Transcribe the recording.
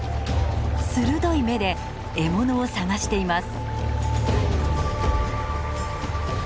鋭い目で獲物を探しています。